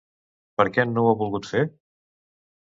Per què no ho ha volgut fer?